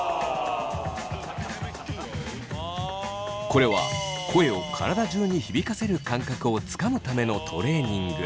これは声を体中に響かせる感覚をつかむためのトレー二ング。